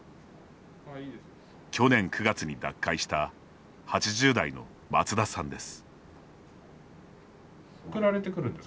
去年９月に脱会した８０代の松田さんです。